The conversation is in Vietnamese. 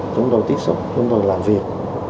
chúng tôi tiếp xúc chúng tôi làm việc